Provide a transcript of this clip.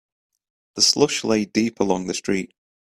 The slush lay deep along the street.